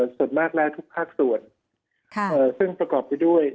ส่วนมากแล้วทุกภาคส่วนซึ่งประกอบไปด้วย